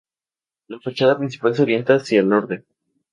La fachada principal se orienta hacia el norte.